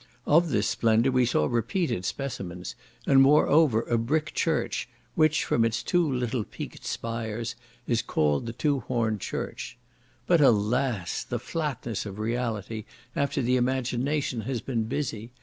Of this splendour we saw repeated specimens, and moreover a brick church, which, from its two little peaked spires, is called the two horned church. But, alas! the flatness of reality after the imagination has been busy!